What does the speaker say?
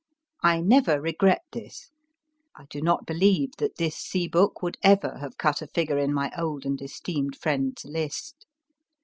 I never regret this. I do not believe that this sea book would ever have cut a figure in my old and esteemed friend s list.